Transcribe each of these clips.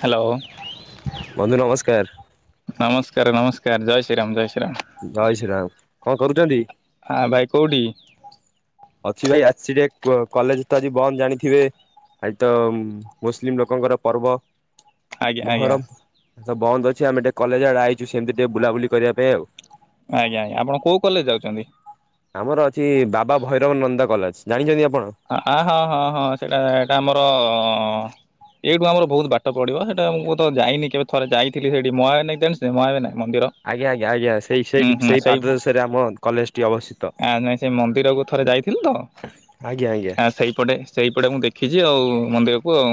Hello. ବନ୍ଧୁ ନମସ୍କାର। ନମସ୍କାର ନମସ୍କାର ଜୟ ଶ୍ରୀରାମ ଜୟ ଶ୍ରୀରାମ। ଜୟଶ୍ରୀ ରାମ କଣ କରୁଛନ୍ତି? ହା ଭାଇ କଉଠି? ଅଛି ଭାଇ ଆସିଛି ଟିକେ କ କଲେଜ ତ ଆଜି ବନ୍ଦ ଜାଣିଥିବେ। ଆଜିତ ମୁସଲିମ ଲୋକଙ୍କର ପର୍ବ। ଆଜ୍ଞା ଆଜ୍ଞା ମହରମ ବନ୍ଦ ଅଛି ଆମେ ଟିକେ କଲେଜ ଆଡେ ଆଇଛୁ ସେମିତି ଟିକେ ବୁଲାବୁଲି କରିବା ପାଇଁ ଆଉ ଆଜ୍ଞା ଆଜ୍ଞା ଆପଣ କଉ କଲେଜ ଯାଉଛନ୍ତି। ଆମର ଅଛି ବାବା ଭୈରବ ନନ୍ଦା କଲେଜ ଜାଣିଛନ୍ତି ଆପଣ? ଆ ହଁ ହଁ ହଁ ସେଟା ଏଇଟା ଆମର ଏଇଠୁ ଆମର ବହୁତ ବାଟ ପଡିବ ସେଟା ମୁଁ ତ ଯାଇନି କେବେ ଥରେ ଯାଇଥିଲି ସେଠି ମହାବିନାୟକ ଜାଣିଚ ମହାବିନାୟକ ମନ୍ଦିର। ଆଜ୍ଞା ଆଜ୍ଞା ଆଜ୍ଞା ସେଇ ହୁଁ ସେଇଠି ହୁଁ ସେଇ ପାଦ ଦେଶରେ ଆମ କଲେଜ ଟି ଅବସ୍ଥିତ। ଆ ନାଇଁ ସେ ମନ୍ଦିରକୁ ଥରେ ଯାଇ [unintelligible] ତ ଆଜ୍ଞା ଆଜ୍ଞା ସେଇପଟେ ସେହିପଟେ ମୁଁ ଦେଖିଛି ଆଉ ମନ୍ଦିରକୁ ଆଉ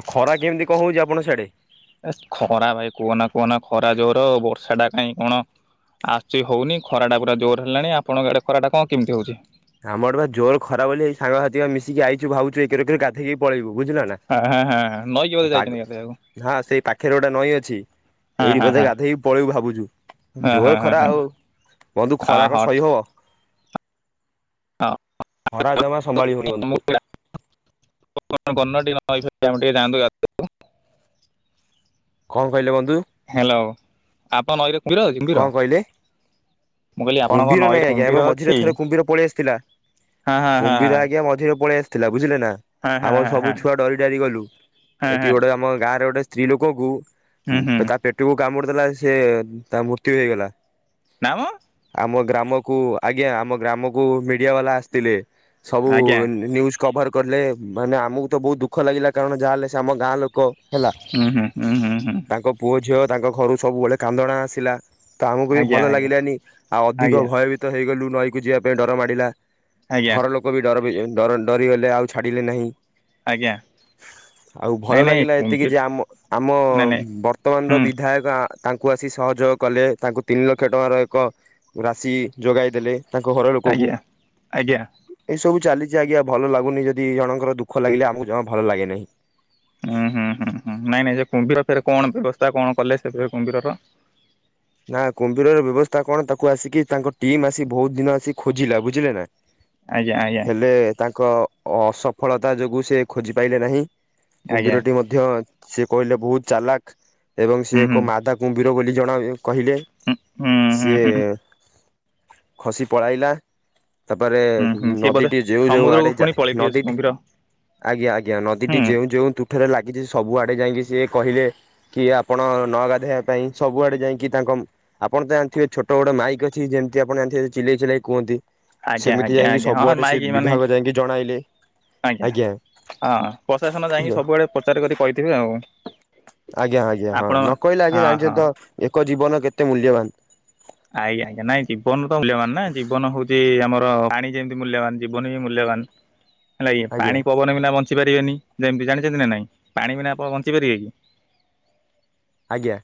ଆଉ ଖରା କେମିତି କଣ ହଉଛି ଆପଣ ସିଆଡେ ଏ ଖରା ଭାଇ କୁହନା କୁହନା ଖରା ଜୋର ବର୍ଷା ଟା କାହିଁ କଣ ଆସୁଛି ହଉନି ଖରାଟା ପୁରା ଜୋର ହେଲାଣି ଆପଣଙ୍କ ଆଡ଼େ ଖରାଟା କଣ କେମିତି ହଉଛି ଆମର ବା ଜୋର ଖରା ବୋଲି ସାଙ୍ଗ ସାଥି ମିଶି ଆଇଛୁ ଭୁ ଏକରେ ଗାଧେଇକି ପଳେଇବୁ ବୁଝିଲା ନା- ନଈକି ଯାଇଛନ୍ତି ଗାଧେଇବାକୁ ହଁ ସେଇ ପାଖରେ ଗୋଟେ ନଈ ଅଛି। ହଁ ଏଇଠି ହଁ ବୋଧେ ଗାଧେଇକି ପଳେଇବୁ ଭାବୁଛୁ ହଁ ଜୋର ହଁ ଖରା ହଁ ହଁ ଠିକ। ଆଉ ବନ୍ଧୁ ହଁ ଆ ଖରାକ ହଉ ସହି ଠିକ୍ ହବ ଖରା ଜମା ସମ୍ଭାଳି ହଉନି ବନ୍ଧୁ [unintelligible] କଣ କହିଲେ ବନ୍ଧୁ? ହ୍ୟାଲୋ ଆପଣ ନଈରେ କୁମ୍ଭୀର ଅଛି କଣ କୁମ୍ଭୀର କହିଲେ ମୁଁ କହିଲି ଆପଣଙ୍କ କୁମ୍ଭୀର ନଈରେ ନାଇଁ ଆଜ୍ଞା କୁମ୍ଭୀର ଆମେ ଅଛି ମଝିରେ ଥରେ କୁମ୍ଭୀର ପଳେଇ ଆସିଥିଲା। ହଁ ହଁ ହଁ କୁମ୍ଭୀର ହଁ ଆଜ୍ଞା ମଝିରେ ପଳେଇ ଆସ ଥିଲା ବୁଝିଲେ ନା ହଁ ଆମର ହଁ ସବୁ ହଁ ଛୁଆ ଡରିଡ଼ାରି ଗଲୁ ହଁ ଏଠି ହଁ ଗୋଟେ ଆମ ଗାଁରେ ଗୋଟେ ସ୍ତ୍ରୀ ଲୋକଙ୍କୁ ହୁଁ ହୁଁ ତା ପେଟକୁ କାମୁଡି ଦେଲା ସେ ତା ମୃତ୍ୟୁ ହେଇଗଲା। ନା ମ। ଆମ ଗ୍ରାମକୁ ଆଜ୍ଞା ଆମ ଗ୍ରାମକୁ ମିଡିଆ ବାଲା ଆସିଥିଲେ। ସବୁ ଆଜ୍ଞା ନ୍ୟୁଜ୍ କଭର୍ କଲେ ମାନେ ଆମକୁ ତ ବହୁତ ଦୁଃଖ ଲାଗିଲା କାରଣ ଯାହାହେଲେ ସେ ଆମ ଗାଁ ଲୋକ। ହେଲା ହୁଁ ହୁଁ ହୁଁ ହୁଁ ହୁଁ ତାଙ୍କ ପୁଅ ଝିଅ ତାଙ୍କ ଘରୁ ସବୁବେଳେ କାନ୍ଦଣା ଆସିଲା। ତ ଆମକୁ ବି ଆଜ୍ଞା ଭଲ ଆଜ୍ଞା ଲାଗିଲାନି ଆଉ ଅଧିକ ଆଜ୍ଞା ଭୟଭୀତ ହେଇଗଲୁ ନଈ କି ଯିବା ପାଇଁ ଡର ମାଡ଼ିଲା। ଆଜ୍ଞା ଘର ଲୋକ ବି ଡର ବି ଡର ଡରିଗଲେ ଆଉ ଛାଡିଲେ ନାହିଁ। ଆଜ୍ଞା। ଆଉ ନାଇଁ ଭଲ ନାଇଁ ଲାଗିଲା ଏତିକି କୁମ୍ଭୀର ଯେ ଆମ ଆମ ନାଇଁ ନାଇଁ ବର୍ତ୍ତମାନର ହୁଁ ବିଧାୟକ। ତାଙ୍କୁ ଆସି ସହଯୋଗ କଲେ ତାଙ୍କୁ ତିନିିଲକ୍ଷ ଟଙ୍କାର ଏକ ରାଶି ଯୋଗାଇ ଦେଲେ। ତାଙ୍କ ଘର ଲୋକକୁ। ଆଜ୍ଞା ଆଜ୍ଞା ଏସବୁ ଚାଲିଛି ଆଜ୍ଞା ଭଲ ଲାଗୁନି ଯଦି ଜଣଙ୍କର ଦୁଃଖ ଲାଗିଲ ଆମକୁ ଜମା ଭଲ ଲାଗେ ନାହିଁ। ହୁଁ ହୁଁ ହୁଁ ହୁଁ ନାଇଁ ନାଇଁ ଯେ କୁମ୍ଭୀର ଫରେ କଣ ବ୍ୟବସ୍ଥା କଣ କଲେ ସେ କୁମ୍ଭୀରର। ନା କୁମ୍ଭୀରର ବ୍ୟବସ୍ଥା କଣ ତାକୁ ଆସିକି ତାଙ୍କ ଟିମ୍ ଆସି ବହୁତ ଦିନ ଆସି ଖୋଜିଲା ବୁଝିଲେ ନା। ଆଜ୍ଞା ଆଜ୍ଞା ହେଲେ ତାଙ୍କ ଅସଫଳତା ଯୋଗୁ ସେ ଖୋଜି ପାଇଲେ ନାହିଁ। ଆଜ୍ଞା କୁମ୍ଭୀରଟି ମଧ୍ୟ ସେ କହିଲେ ବହୁତ ଚାଲାକ ଏବଂ ହୁଁ ସେ ହୁଁ ଏକ ମାଧା। କୁମ୍ବୀର ବୋଲି ଜଣା କହିଲେ ହୁଁ ହୁଁ ସିଏ। ହୁଁ ହୁଁ ଖସି ପଳାଇଲା। ତାପରେ ହୁଁ ହୁଁ ସିଏ ବୋଧେ ନଦୀଟି ଯେଉ ଯୋଉ ସମୁଦ୍ରକୁ ଆଡେ ଯ ପୁଣି ପଳେଇଥିବେ ସେ ନଦୀଟି। କୁମ୍ଭୀର ଆଜ୍ଞା ଆଜ୍ଞା ହୁଁ ନଦୀଟି ଯେଉଁ ଯେଉଁ। ଠାରେ ଲାଗିଛି ସବୁଆଡେ ଯାଇକି ସିଏ କହିଲେ କି ଆପଣ ନ ଗାଧୋଇବା ପାଇଁ ସବୁଆଡେ ଯାଇକି। ତାଙ୍କ ଆପଣ ତ ଜାଣିଥିବେ ଛୋଟ ଗୋଟେ ମାଇକ ଅଛି ଯେମତି ଆପଣ ଜାଣିଥିବେ ଚିଲେଇ ଚିଲେଇ କୁହନ୍ତି। ଆଜ୍ଞା ସେମିତି ଆଜ୍ଞା ଯାଇକି ଆଜ୍ଞା ହଁ ସବୁଆଡେ ସେ ମାଇକି ମାନେ ବିଭାଗ ଯାଇକି ଜଣାଇଲେ। ଆଜ୍ଞା ହଁ ପ୍ରଶାସନ ଯାଇକି ସବୁବେଳେ ପ୍ରଚାର କରି କହିଥିବେ ଆଉ। ଆଜ୍ଞା ଆଜ୍ଞା ହଁ ନ କହିଲେ ଆଜ୍ଞା ହଁ ଜାଣିଛନ୍ତି ତ ଏକ ଜୀବନ କେତେ ମୂଲ୍ୟବାନ। ଆଜ୍ଞା ଆଜ୍ଞା ନାଇଁ ଜୀବନ ତ ମୂଲବାନ ନା ଜୀବନ ହଉଛି ଆମର ପାଣି। ଯେମତି ମୂଲ୍ୟବାନ ଜୀବନ ବି ମୂଲ୍ୟବାନ ହେଲା ଆଜ୍ଞା ପାଣି ପବନ ବିନା ବ ବଞ୍ଚିପାରିବେନି ଯେମତି ଜାଣିଛନ୍ତି ନା ନାଇଁ ପାଣି ବିନା ଆପଣ ବଞ୍ଚିପାରିବେ କି? ଆଜ୍ଞା।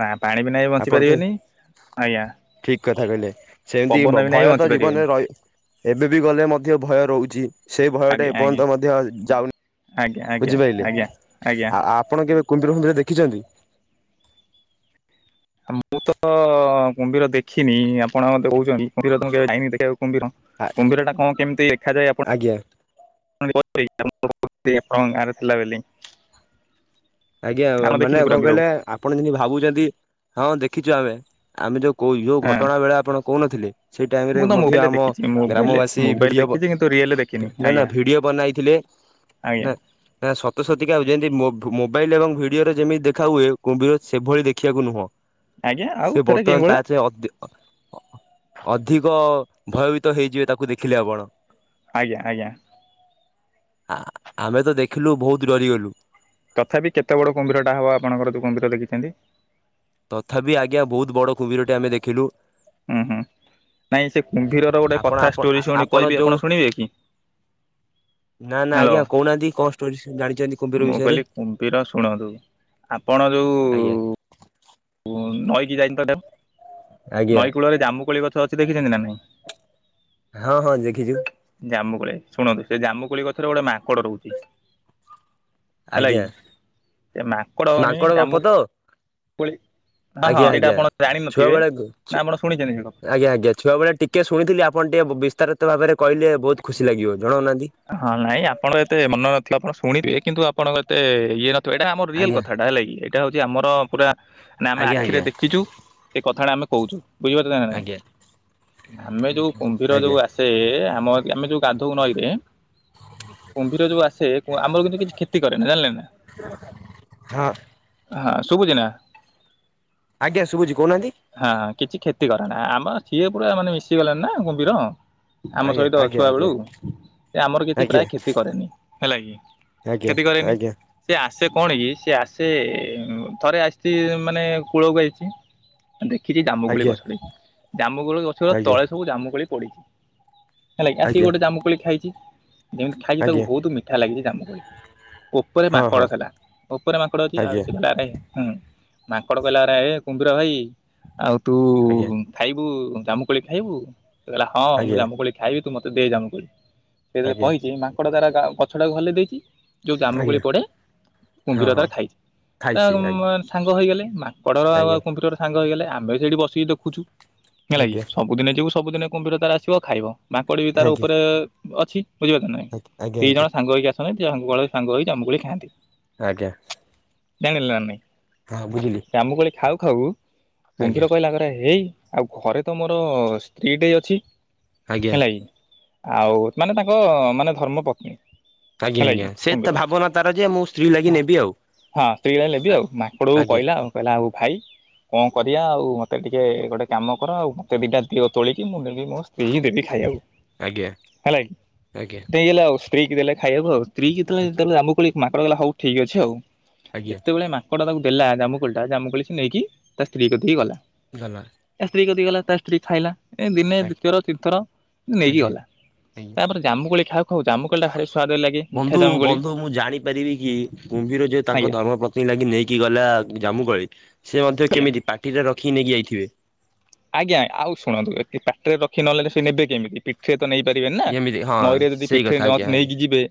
ନା ପାଣି ବିନା ବି ବଞ୍ଚି ପାରିବେନି। ଆଜ୍ଞା। ଠିକ୍ କଥା କହିଲେ ସେମିତି ପବନ ବିନା ଭୟ ବି ବଞ୍ଚି ତ ପାରିବେନି ଜୀବନରେ ରହି ଏବେ ବି ଗଲେ ମଧ୍ୟ ଭୟ ରହୁଛି। ସେଇ ଭୟଟା ଆଜ୍ଞା ଆଜ୍ଞା ଏପର୍ଯ୍ୟନ୍ତ ମଧ୍ୟ ଯାଉନି ଆଜ୍ଞା ଆଜ୍ଞା ବୁଝିପାଇଲେ ଆଜ୍ଞା ଆଜ୍ଞା ଆ ଆପଣ କେବେ କୁମ୍ଭିର ଫୁମ୍ଭିର ଦେଖିଛନ୍ତି? ମୁଁ ତ କୁମ୍ଭୀର ଦେଖିନି ଆପଣ ଏବେ କହୁଛନ୍ତି କୁମ୍ଭୀର ତ କେବେ ଯାଇନି ଦେଖିବାକୁ କୁମ୍ଭୀର। କୁମ୍ଭୀର ଟା କଣ କେମିତି ଦେଖାଯାଏ ଆପ ଆଜ୍ଞା [unintelligible] [unintelligible] ଆରେଥିଲା ବୋଲି। ଆଜ୍ଞା ଆମେ ମାନେ ଦେଖିଛୁ ପୁରା କଣ କୁମ୍ଭୀରକୁ କହିଲେ? ଆପଣ ଯେମିତି ଭାବୁଛନ୍ତି ହଁ ଦେଖିଛୁ ଆମେ ଆମେ ଯୋଉ କ ଯୋଉ ହଁ ଘଟଣା ବେଳେ ଆପଣ କୋହୁନଥିଲି? ସେଇ ଟାଇମ୍ ରେ ମୁଁ ତ ମଧ୍ୟ ମୋବାଇଲରେ ଆମ ଦେଖିଛି ମୋବାଇଲରେ ଗ୍ରାମବାସୀ ମୋବାଇଲ ଭିଡିଓ ଦେଖିଛି କିନ୍ତୁ ରିଏଲ ଦେଖିନି ନା ନା ଆଜ୍ଞା ଭିଡିଓ ବନାଇଥିଲେ। ଆଜ୍ଞା। ନା ନା ସତସତୀକା ଆଉ ଯେମିତି ମୋ ଭୋ ମୋ ମୋବାଇଲ ଏବଂ ଭିଡିଓରେ ଯେମିତି ଦେଖା ହୁଏ କୁମ୍ଭୀର ସେଭଳି ଦେଖିବାକୁ ନୁହଁ। ଆଜ୍ଞା ଆଉ ସେ ସେଟା କେଉଁ ବର୍ତ୍ତମାନ ତା ଭଳିଆ ଚେ ଅଧି ଅଧିକ ଭୟଭୀତ ହେଇଯିବେ ତାକୁ ଦେଖିଲେ ଆପଣ। ଆଜ୍ଞା ଆଜ୍ଞା। ଆ ଆମେ ତ ଦେଖିଲୁ ବହୁତ୍ ଡରିଗଲୁ। ତଥାପି କେତେ ବଡ଼ କୁମ୍ଭୀରଟା ହବ ଆପଣଙ୍କର ଯୋଉ କୁମ୍ଭୀର ଦେଖିଛନ୍ତି? ତଥାପି ଆଜ୍ଞା ବହୁତ ବଡ କୁମ୍ଭୀରଟେ ଆମେ ଦେଖିଲୁ। ହୁଁ ହୁଁ ନାଇଁ ସେ କୁମ୍ଭୀରର ଗୋଟେ ଆପଣ କଥା ଆପଣ ଷ୍ଟୋରି ଶୁଣି କହିବି ଯୋଉ ଆପଣ ଶୁଣିବେ କି? ନା ନା ଆଜ୍ଞା ହ୍ୟାଲୋ କହୁନାହାନ୍ତି କଣ ଷ୍ଟୋରି ଜାଣିଛନ୍ତି କୁମ୍ଭୀର ମୁଁ ବିଷୟରେ? କହିଲି କୁମ୍ଭୀର ଶୁଣନ୍ତୁ। ଆପଣ ଆଜ୍ଞା ଯୋଉ ନଈକି ଯାଇନି ତ ଦେ ଆଜ୍ଞା ନଈ କୂଳରେ ଜାମୁକୋଳି ଗଛ ଅଛି ଦେଖିଛନ୍ତି ନା ନାଇଁ? ହଁ ହଁ ଦେଖିଛି। ଜାମୁକୋଳି ଶୁଣନ୍ତୁ ସେ ଜାମୁକୋଳି ଗଛରେ ଗୋଟେ ମାଙ୍କଡ ରହୁଛି। ହେଲା ଆଜ୍ଞା କି ସେ ମାଙ୍କଡ କଣକି ଗପ ଜାମୁ ତ ହଁ ହଁ ଆଜ୍ଞା ଏଇଟା ଆଜ୍ଞା। ଆପଣ ଜାଣିନଥିବେ ଛୁଆବେଳେ ନା ଆପଣ ଶୁଣିଛନ୍ତି ସେଇ କଥା ଟା? ଆଜ୍ଞା ଆଜ୍ଞା ଛୁଆବେଳେ ଟିକେ ଶୁଣିଥିଲି ଆପଣ ଟିକେ ବିସ୍ତାରିତ ଭାବରେ କହିଲେ ବୋହୁତ୍ ଖୁସି ଲାଗିବ ଜଣାଉନାହାନ୍ତି। ହଁ ନାଇଁ ଆପଣଙ୍କ ଏତେ ମନେ ନଥିଲା ଆପଣ ଶୁଣିଥିବେ କିନ୍ତୁ ଆପଣଙ୍କ ଏତେ ଇଏ ନଥି ବ ଏଇଟା ଆମର ରିଅଲ ଆଜ୍ଞା କଥାଟା ହେଲା କିି ଏଇଟା ହଉଛି ଆମର ପୁରା ମାନେ ଆମେ ଆଜ୍ଞା ଆଖିରେ ଆଜ୍ଞା ଦେଖିଛୁ। ସେ କଥାଟା ଆମେ କହୁଚୁ। ବୁଝିପାରୁଛନ୍ତି ନା ନାଇଁ ଆଜ୍ଞା ଆମେ ଯୋଉ କୁମ୍ଭୀର ଯୋଉ ଆଜ୍ଞା ଆସେ ଆମ ଆମେ ଯୋଉ ଗାଧଉ ନଈରେ। କୁମ୍ଭୀର ଯୋଉ ଆସେ ଆମର କିନ୍ତୁ କିଛି କ୍ଷତି କରେ ନା ଜାଣିଲେ ନା? ହଁ। ହଁ ଶୁଭୁଛି ନା? ଆଜ୍ଞା ଶୁଭୁଛି କହୁନାହାନ୍ତି? ହଁ କିଛି କ୍ଷତି କରେ ନା ଆମର ସିଏ ପୁରା ମାନେ ମିଶିଗଲାଣି ନା କୁମ୍ଭୀର ଆମ ଆଜ୍ଞା ସହିତ ଅ ଆଜ୍ଞା ଛୁଆ ବେଳୁ ଆଜ୍ଞା ଏ ଆମର କିଛି ଆଜ୍ଞା ପ୍ରାୟ କ୍ଷତି କରେନି ହେଲା କି ଆଜ୍ଞା କ୍ଷତି କରେନି। ଆଜ୍ଞା ସେ ଆସେ କଣ କି ସେ ଆସେ ଥରେ ଆସିଛି ମାନେ କୂଳକୁ ଆଇଚି। ଦେଖିଛି ଜାମୁ ଗୋଳି ଆଜ୍ଞା ଗଛଟେ ଜାମୁଗୋଳି ଗଛର ତଳେ ସବୁ ଜାମୁକୋଳି ପଡିଛି। ହେଲାକି ଆସି ଆଜ୍ଞା ଗୋଟେ ଜାମୁକୋଳି ଖାଇଛି ଯେମିତି ଆଜ୍ଞା ଖାଇଛି ତାକୁ ଆଜ୍ଞା ବହୁତ ମିଠା ଲାଗିଛି ଜାମୁକୋଳି। ଉପରେ ହଁ ହଁ ମାଙ୍କଡ଼ ଥିଲା ଉପରେ ମାଙ୍କଡ଼ ଅଛି ଆଉ ଆଜ୍ଞା ସେ କହିଲା ଆରେ ହୁଁ ମାଙ୍କଡ କହିଲା ଆରେ କୁମ୍ଭିର ଭାଇ ଆଉ ତୁ ଆଜ୍ଞା ଖାଇବୁ ଜାମୁକୋଳି ଖାଇବୁ ସେ କହିଲା ହଁ ମୁଁ ଆଜ୍ଞା ଜାମୁକୋଳି ଖାଇବି ତୁ ମତେ ଦେ ଜାମୁକୋଳି। ସେ ଯେତେଳେ ଆଜ୍ଞା ଆଜ୍ଞା କହିଚି ମାଙ୍କଡ ତାର ଗ- ଗଛଟାକୁ ହଲେଇ ଦେଇଚି। ଯୋଉ ଜାମୁକୋଳି ପଡେ ହଁ କୁମ୍ଭୀର ତାର ହଁ ଖାଇଛି, ତା ଖାଇଛି ଆଜ୍ଞା ମୁଳନ ସାଙ୍ଗ ହୋଇଗଲେ ମା ଙ୍କଡ ଆଉ ଆଜ୍ଞା କୁମ୍ଭୀରର ସାଙ୍ଗ ହେଇଗଲେ, ଆମେ ସେଇଠି ବସିକି ଦେଖୁଛୁ, ହେଲା କି ଆଜ୍ଞା ସବୁ ବୁ ଦିନେ ଯୋଗୁ ସବୁଦିନେ କୁମ୍ଭୀର ତାର ଆସିବ ଖାଇବ, ମାଙ୍କଡ ବି ତାର ଆଜ୍ଞା ଉପରେ ଅଛି। ବୁଝିପାରୁଚ ନା ନାଇ? ଆଜ୍ଞା ଦି ଜଣ ସାଙ୍ଗ ହେଇକି ଆସନ୍ତି [unintelligible] ସାଙ୍ଗ ହୋଇ ଜାମକୁଳି ଖାଆନ୍ତି। ଆଜ୍ଞା। ଜାଣିଲ ନାଇ? ହଁ ବୁଝିଲି। ଜାମୁକୁଳି ଖାଉ ଖାଉ ଆଜ୍ଞା କୁମ୍ଭୀର କହିଲା କି ଟା ହେଇ ଆଉ ଘରେ ତ ମୋର ସ୍ତ୍ରୀଟେ ଅଛି। ଆଜ୍ଞା ହେଲା କି, ଆଉ ମାନେ ତାଙ୍କ ମାନେ ଧର୍ମ ପତ୍ନୀ। ଆଜ୍ଞା, ହେଲା କି ଆଜ୍ଞା ସେ କୁମ୍ଭୀର ଭାବନା ତାର ଯେ ମୁଁ ସ୍ତ୍ରୀ ଲାଗି ନେବି ଆଉ। ହଁ ସ୍ତ୍ରୀ ପାଇଁ ନେବି ଆଉ, ମାଙ୍କଡ କୁ ଆଜ୍ଞା କହିଲା ଆଉ କହିଲା ଆଉ ଭାଇ କଣ କରିବା ଆଉ ମୋତେ ଟିକେ ଗୋଟେ କାମ କର ଆଉ ମୋତେ ଦିଟା ଦିଅ ତୋଳିକି। ମୁଁ ନେଇକି ମୋ ସ୍ତ୍ରୀ ଦେବି ଖାଇବାକୁ, ଆଜ୍ଞା ହେଲାକି, ଆଜ୍ଞା ଆଜ୍ଞା ନେଇଗଲେ ଆଉ ସ୍ତ୍ରୀ କି ଦେଲେ ଖାଇବାକୁ ଆଉ। ସ୍ତ୍ରୀ ଯେତେବେଳେ ଯେତେବେଳେ ଜାମକୁଳି, ମାଙ୍କଡ଼ କହିଲା ହଉ ଠିକ୍ ଅଛି ଆଉ। ଆଜ୍ଞା ଯେତେବେଳେ ମା ମାଙ୍କଡ ତାକୁ ଦେଲା ଜାମୁକୁଳିଟା, ଜାମୁକୁଳୃ ସେ ନେଇକି ତା ସ୍ତ୍ରୀକୁ କତିକି ଗଲା। ଗଲା। ତା ସ୍ତ୍ରୀ କତିକି ଗଲା ତା ସ୍ତ୍ରୀ ଖାଇଲା, ଏ ଦିନେ ଆଜ୍ଞା ଦ୍ଵୀତୀୟର ତିନିଥର ନେଇକି ଆଜ୍ଞା। ଗଲା, ଆଜ୍ଞା। ତାପରେ ଜାମୁକୁଳି ଖାଉ ଖାଉ ଜାମୁକୁଳି ଟା ଭାରି ସ୍ଵାଦ ଲାଗ ବନ୍ଧୁ ବନ୍ଧୁ ମୁଁ ଜାଣି ପାରିବି କି କୁମ୍ଭୀର ଯେ ତାଙ୍କ ଆଜ୍ଞା ଧର୍ମ ପ ସ୍ତ୍ରୀ ଲାଗି ନେଇକି ଗଲା ଜାମୁକୋଳି ସେ ମଧ୍ୟ ଆଜ୍ଞା କେମିତି ପାଟିରେ ରଖିକି ନେଇକି ଯାଇଥିବେ? ଆଜ୍ଞା ଆଉ ଶୁଣନ୍ତୁ ଏ ପାଟିରେ ରଖି ନ ନେଲେ ସେ ନେବେ କେମିତି? ପିଠିରେ ତ ନେଇ ପାରିବେନି ନା। ଯେମିତି ହଁ ନଈରେ ଯଦି ସେଇ ପିଠିରେ କଥା ଆଜ୍ଞା ନଥ ଆଜ୍ଞା। ନେଇକି ଯିବେ,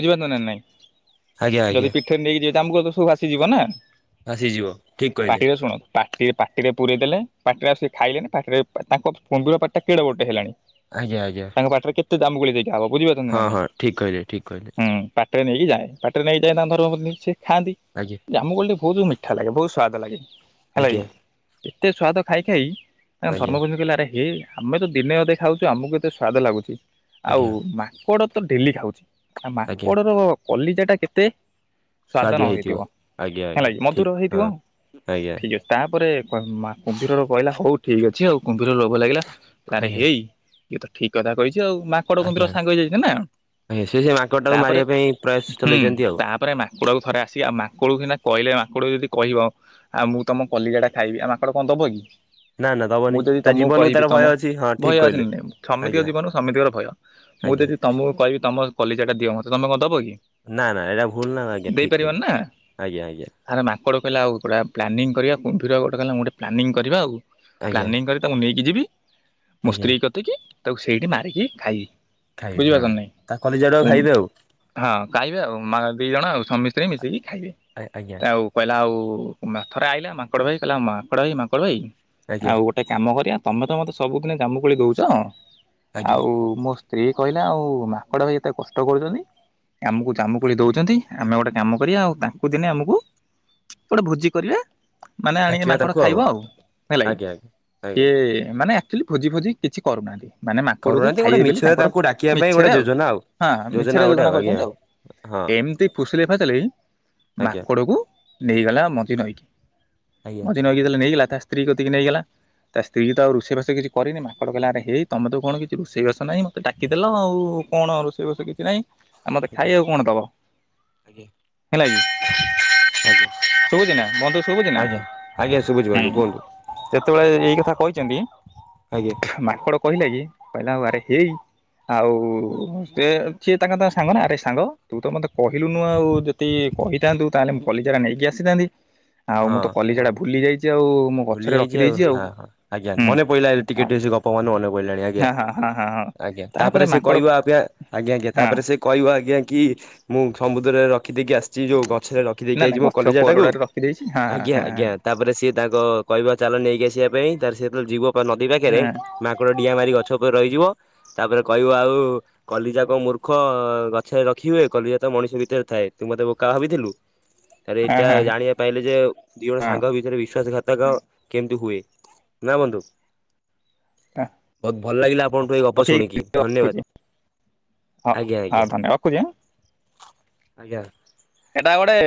ବୁଝିପାରୁଚ ନା ନାଇଁ। ଆଜ୍ଞା, ଆଜ୍ଞା। ଠ ନେଇକି ଯିବେ ଜାମକୁଳି ତ ସବୁ ଭାସିଯିବ ନା, ଆସିଯିବ ଠିକ କହିଲେ ପାଟିରେ ଶୁଣନ୍ତୁ ପାଟି ପାଟିରେ ପୂରେଇ ଦେଲେ ପାଟିରେ ଆ, ସେ ଖାଇଲେନି ପାଟିରେ ତାଙ୍କ କୁମ୍ଭୀର ପାଟି ଟା କେଡ଼େ ବଡ଼ ଟେ ହେଲାଣି। ଆଜ୍ଞା, ଆଜ୍ଞା। ତାଙ୍କ ପାଟିରେ କେତେ ଜାମକୁଳି ଜେଗା ହବ, ବୁଝିପାରୁଛନ୍ତି ନା ହଁ ନାଇଁଁ? ହଁ ଠିକ କହିଲେ ଠିକ କହିଲେ। ହୁଁ, ପା ଟିରେ ନେଇକି ଯାଏ, ପାଟି ରେ ନେଇ ଯାଏ ତାଙ୍କ ଧର୍ମ ପତ୍ନୀ ସିଏ ଖାଆନ୍ତି। ଆଜ୍ଞା। ଜାମକୋଳି ଟି ଭଉତୁ ମିଠା ଲାଗେ, ବହୁତ ସ୍ୱାଦ ଲାଗେ ହେଲାକି, ଆଜ୍ଞା ଏତେ ସ୍ୱାଦ ଖାଇ ଖାଇ କ ଆଜ୍ଞା ଧର୍ମଗୁଞ୍ଜ କହିଲା ଆରେ ହେ ଆମେ ତ ଦିନେ ଅଧେ ଖାଉଛୁ ଆମକୁ ଏତେ ସ୍ଵାଦ ଲାଗୁଛି ଆଉ ଆଜ୍ଞା ମା ମାଙ୍କଡ଼ ତ ଡେଲି ଖାଉଛି ଆ, ଆଜ୍ଞା ମାଙ୍କଡ଼ର କଲିଜାଟା କେତେ ସ୍ଵାଦ ନ ସୁଆଦିଆ ହେଇଥିବ ଆଜ୍ଞା ହେଲା ଆଜ୍ଞା କି ମଧୁର ଠିକ ହେଇଥିବ ହଁ ଆଜ୍ଞା ଠିକ୍ ଅଛି। ତାପରେ କ-ମା- କୁମ୍ଭୀରର କହିଲା ହଉ ଠିକ୍ ଅଛି ଆଉ। କୁମ୍ଭୀର ଲୋଭ ଲାଗିଲା କହିଲା ଆରେ ଆଜ୍ଞା ହେଇ ଇଏ ତ ଠିକ କଥା କହିଛି ଆଉ ମା ଙ୍କଡ଼ କୁମ୍ଭୀର ଆଜ୍ଞା। ସାଙ୍ଗ ହେଇଯାଇଛି ନା ଆଜ୍ଞା ସେ ସେ ମାଙ୍କଡଟାକୁ ତାପରେ ମାରିବା ପାଇଁ ପ୍ରୟାସ ହୁଁ ଚଲେଇଛନ୍ତି ଆଉ। ତାପରେ ମା କୁଡ଼କୁ ଥରେ ଆସି ଆ, ମାଙ୍କଡ଼ କୁ ସିନା କହିଲେ ମାଙ୍କଡ ଯଦି କହିବ ଆଉ ମୁଁ ତୋମ କଲିଜା ଟା ଖାଇବି, ଆଉ ମାଙ୍କଡ଼ କଣ ଦବ କି। ନା ନା ମୁଁ ଦବନି ଯଦି ତା ତୋମକୁ ଜୀବନକୁ ତାର କହିବି ଭୟ ତୋମ ଅଛି ହଁ ଠିକ ଭୟ ଅଛି କହିଲେ ନା ନାଇଁ, ସମିତିକ ଆଜ୍ଞା ଜୀବନ ସାମିତିକର ଭୟ। ମୁଁ ଆଜ୍ଞା। ଯଦି ତୋମକୁ କହିବି ତୋମ କଲିଜା ଟା ଦିଅ ମୋତେ ତୋମେ କଣ ଦବ କି? ନା ନା ଏଇଟା ଭୁଲ ନା ଆଜ୍ଞା ଠିକ ଦେଇପାରିବନି କହିଲେ ନା। ଆଜ୍ଞା, ଆଜ୍ଞା। ଆରେ ମାଙ୍କଡ଼ କହିଲା ହଉ ଗୋଟା ପ୍ଲାନିଂ କରିବା, କୁମ୍ଭୀର ଗୋଟେ କହିଲା ମୁଁ ଗୋଟେ ପ୍ଲାନିଙ୍ଗ କରିବା ଆଉ। ଆଜ୍ଞା ପ୍ଲାନିଂ କରି ତାକୁ ନେଇକି ଯିବି ମୋ ଆଜ୍ଞା ସ୍ତ୍ରୀ କତିକି ତାକୁ ସେଇଠି ମାରିକି ଖାଇବି। ଖାଇବି ହଁ ବୁଝିପାରୁଛ ନା ନାଇଁ। ତା କଲିଜା ଟାକୁ ଖାଇବେ ଆଉ। ହଁ ଖାଇବେ ଆଉ ମା- ଦି ଜଣ ଆଉ ସ୍ୱାମୀ ସ୍ତ୍ରୀ ମିଶିକି ଖାଇବେ। ଆଜ୍ଞା ଆଉ କହିଲା ଆଉ ମା-ଥରେ ଆଇଲା ମାଙ୍କଡ଼ ଭାଇ, କହିଲା ମାଙ୍କଡ଼ ଭାଇ ମାଙ୍କଡ଼ ଭାଇ ଆଜ୍ଞା ଆଉ ଗୋଟେ କାମ କରିବା ତୋମେ ତ ମତେ ସବୁଦିନେ ଜାମୁକୋଳି ଦଉଚ, ଆଜ୍ଞା ଆଉ ମୋ ସ୍ତ୍ରୀ କହିଲା ଆଉ ମାଙ୍କଡ ଭାଇ ଏତେ କଷ୍ଟ କରୁଛନ୍ତି ଆମକୁ ଜାମକୁଳି ଦଉଛନ୍ତି ଆମେ ଗୋଟେ କାମ କରିବା ଆଉ ତାଙ୍କୁ ଦିନେ ଆମକୁ ଗୋଟେ ଭୋଜି କରିବା। ମାନେ ଆଣିକି ଡାକିବା ତାଙ୍କୁ ମାଙ୍କଡ ଖାଇବ ଆଉ ହେଲା କି। ଆଜ୍ଞା ଆଜ୍ଞା। ସିଏ ଆଜ୍ଞା ମାନେ ଆକ୍ଚୁଆଲି ଭୋଜି ଫୋଜି କିଛି କରୁନାହାନ୍ତି। ମାନେ ମାଙ୍କଡକୁ କରୁନାହାନ୍ତି ଗୋଟେ ଖାଇବେ ବୋଲି ମିଛରେ ତାଙ୍କର ତାଙ୍କୁ ଡାକିବା ପାଇଁ ଗୋଟେ ମିଛରେ ଆଉ ଯୋଜନା ହଁ ମିଛରେ ଯୋଜନା କରିଛନ୍ତି ଆଉ। ହଁ ଏମତି ଫୁସିଲେଇ ଫାସିଲେଇ ଆଜ୍ଞା ମାଙ୍କଡକୁ ନେଇଗଲା ମଝି ନଈକି ଆଜ୍ଞା ମଝି ନଈକି ଯେବେ ନେଇଗଲା ତା ସ୍ତ୍ରୀ କତିକି ନେଇଗଲା। ତା ସ୍ତ୍ରୀ ତ ଆଉ ରୋଷେଇବାସ କିଛି କରିନି ମାକଡ଼ କହିଲା ଆରେ ହେଇ ତମ ତ କଣ କିଛି ରୋଷେଇବାସ ନାହିଁ ମୋତେ ଡ଼ା କି ଦେଲ ଆଉ କଣ ରୋଷେଇ ବାସ କିଛି ନାହିଁ ଆଉ ମତେ ଆଜ୍ଞା ଖାଇବାକୁ କଣ ଦବ? ଆଜ୍ଞା ହେଲା କି ଆଜ୍ଞା। ଶୁଭୁଛି ନା ବନ୍ଧୁ ଶୁଭୁଛି ନା? ଆଜ୍ଞା ଆଜ୍ଞା ଶୁଭୁଛି ହୁଁ। ବନ୍ଧୁ କୁହନ୍ତୁ। ଯେତେବେଳେ ଏଇ କଥା କହିଛନ୍ତି ଆଜ୍ଞା ମାଙ୍କଡ କହିଲା କି କହିଲା ଆଉ ଆରେ ହେଇ। ଆଉ ସେ ସିଏ ତାଙ୍କ ତା ସାଙ୍ଗ ନା ଆରେ ସାଙ୍ଗ ତୁ ତ ମତେ କହିଲୁ ନୁ ଆଉ ଯେ ଦି କହିଥାନ୍ତୁ ତାହେଲେ ମୁ କଲିଜାରା ନେଇକି ଆସିଥାନ୍ତି। ଆଉ ମୁଁ ହଁ ତ କଲିଜା ଟା ଭୁଲି ଯାଇଛି ଆଉ ମୋ ଗଛରେ ରଖ ଛି ଆଉ ହଁ ହଁ ଆଜ୍ଞା ମନେ ପଇଲା ଟିକେ ଟିକେ ସେ ଗପ ମୋର ମନେ ପଡିଲାଣି ଆଜ୍ଞା। ହଁ ହଁ ହଁ ହଁ ହଁ ଆଜ୍ଞା ତାପରେ ସେ ମାଙ୍କଡ ହଁ କହିବା ଆପ୍ ଆଜ୍ଞା ଆଜ୍ଞା ତାପରେ ସେ କହିବ ଆଜ୍ଞା କି ମୁଁ ସମୁଦ୍ରରେ ରଖି ଦେଇକି ଆସିଛି ଯୋଉ ଗଛରେ ର ରଖି ଦେଇକି ନା ନା ଆଇଛି ମୋ ଗଛ କଲେଜା ଟାକୁ କୋରଡାରେ ରଖିଦେଇଛି ହଁ ହଁ ଆଜ୍ଞା ହଁ ଆଜ୍ଞା। ତାପରେ ସିଏ ତାଙ୍କ କହିବ ଚାଲ ନେଇକି ଆସିବା ପାଇଁ ତାପରେ ସେ ଯେତେବେଳେ ଯିବ ନଦୀ ହଁ ପାଖରେ ହଁ ମାଙ୍କଡ଼ ଡିଆଁ ମାରି ଗଛ ଉପରେ ରହିଯିବ ତାପରେ କହିବ ଆଉ କଲିଜା କ ମୂର୍ଖ ଗଛରେ ରଖି ହୁଏ କଲିଜା ତ ମଣିଷ ଭିତରେ ଥାଏ ତୁ ମତେ ବୋକା ଭାବିଥିଲୁ? [inaudible] ତାରେ ଏଇଟା ହଁ ଜାଣିବା ପାଇଲେ ଯେ ଦି ଜଣ ହଁ ସାଙ୍ଗ ଭିତରେ ବିଶ୍ଵାସଘାତ ତକ କେମିତି ହୁଏ ନା ବନ୍ଧୁ? ହଁ ବହୁତ୍ ଭଲ ଲାଗିଲା ଆପଣଠୁ ଏଇ ହଉ ଗପ ଠିକ ଶୁଣିକି ଅଛି ରଖୁଛି ଧନ୍ୟବାଦ୍। ହଁ ହଉ ଧନେ ରଖୁଛି ଆଁ? ଆଜ୍ଞା। ଏଇଟା ଗୋଟେ